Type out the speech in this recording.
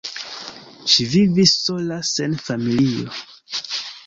Ŝi vivis sola sen familio.